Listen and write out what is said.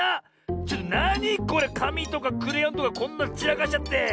ちょっとなにこれ⁉かみとかクレヨンとかこんなちらかしちゃって。